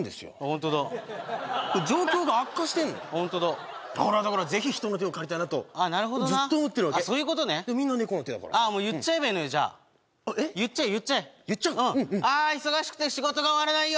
ホントだ状況が悪化してんのよだからぜひ人の手を借りたいなとずっと思ってるわけでもみんな猫の手だからもう言っちゃえばいいのよじゃえっ言っちゃえ言っちゃえ「ああ忙しくて仕事が終わらないよ」